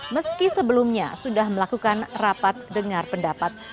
meski sebelumnya sudah melakukan rapat dengar pendapat